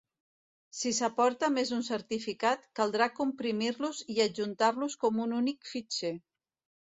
Si s'aporta més d'un certificat, caldrà comprimir-los i adjuntar-los com un únic fitxer.